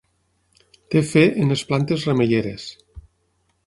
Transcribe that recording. Té fe en les plantes remeieres.